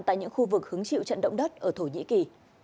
tại những khu vực hứng chịu trận động đất ở thổ nhĩ kỳ